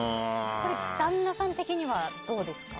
旦那さん的にはどうですか？